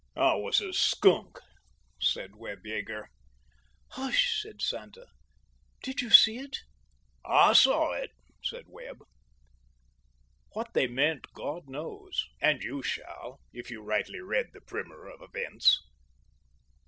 "I was a skunk," said Webb Yeager. "Hush," said Santa, "did you see it?" "I saw it," said Webb. What they meant God knows; and you shall know, if you rightly read the primer of events.